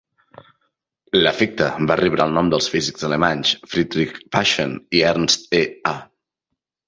L'efecte va rebre el nom dels físics alemanys Friedrich Paschen i Ernst E. A.